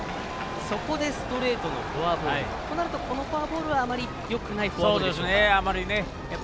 そこで、ストレートのフォアボール。となると、このフォアボールはあまりよくないフォアボールでしょうか。